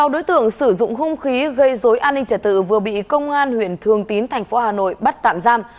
một mươi sáu đối tượng sử dụng không khí gây dối an ninh trả tự vừa bị công an huyện thương tín thành phố hà nội bắt tạm giam